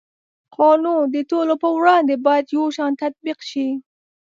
قانون د ټولو په وړاندې باید یو شان تطبیق شي.